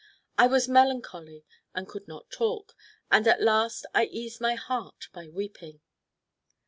I was melancholy and could not talk, and at last I eased my heart by weeping."